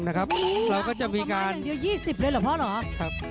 เหล้าหัวบางประมาณหนึ่งดีสิบเลยเหรอพ่อเหรอ